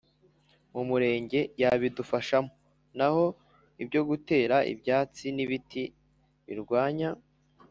murenge yabidufashamo. Naho ibyo gutera ibyatsi n’ibiti birwanya